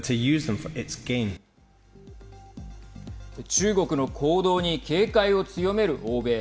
中国の行動に警戒を強める欧米。